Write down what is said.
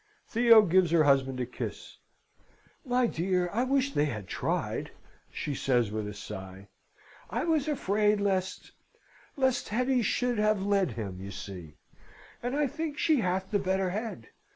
Theo gives her husband a kiss. "My dear, I wish they had tried," she says with a sigh. "I was afraid lest lest Hetty should have led him, you see; and I think she hath the better head.